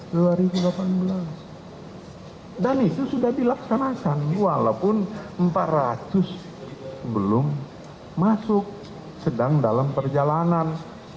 dan itu sudah dilaksanakan walaupun empat ratus belum masuk sedang dalam perjalanan